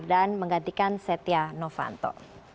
dan menggantikan setia novanto